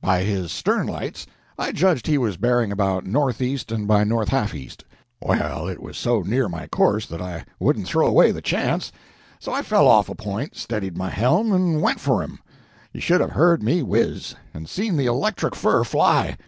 By his stern lights I judged he was bearing about northeast and by north half east. Well, it was so near my course that I wouldn't throw away the chance; so I fell off a point, steadied my helm, and went for him. You should have heard me whiz, and seen the electric fur fly!